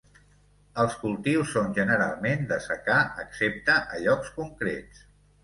Els cultius són generalment de secà excepte a llocs concrets.